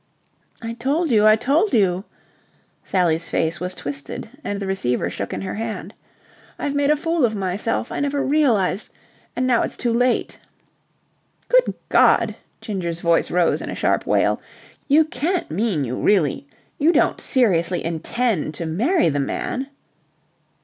"I told you, I told you." Sally's face was twisted and the receiver shook in her hand. "I've made a fool of myself. I never realized... And now it's too late." "Good God!" Ginger's voice rose in a sharp wail. "You can't mean you really... You don't seriously intend to marry the man?"